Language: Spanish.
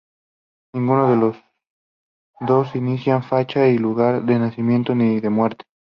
Ninguno de los dos indican fecha y lugar de nacimiento ni de muerte.